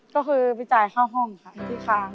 ก็คือไปจ่ายค่าห้องค่ะที่ค้าง